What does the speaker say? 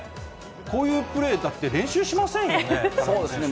こういうプレー、だって練習しまそうですね。